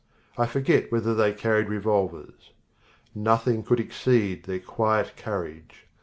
I forget whether they carried revolvers. Nothing could exceed their quiet courage.